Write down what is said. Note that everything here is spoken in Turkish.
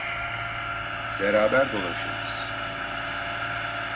Beraber dolaşırız.